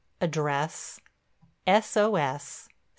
"(Address)............................... "S. O. S.